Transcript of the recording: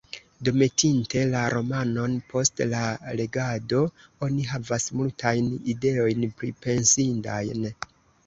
Demetinte la romanon, post la legado, oni havas multajn ideojn pripensindajn.